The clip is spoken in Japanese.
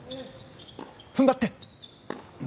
踏ん張って！